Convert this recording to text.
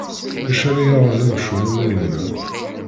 Acu ara yaɣen amcum am winna.